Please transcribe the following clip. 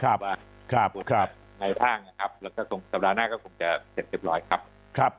ครับครับครับครับในท่างนะครับแล้วก็สัปดาห์หน้าก็คงจะเสร็จเรียบร้อยครับ